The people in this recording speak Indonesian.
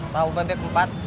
tau bayar keempat